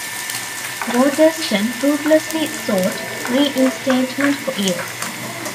Watterston fruitlessly sought reinstatement for years.